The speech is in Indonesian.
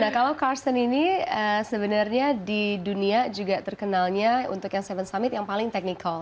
nah kalau karsten ini sebenarnya di dunia juga terkenalnya untuk yang tujuh summit yang paling technical